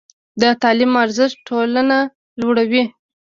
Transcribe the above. د تعلیم ارزښت ټولنه لوړوي.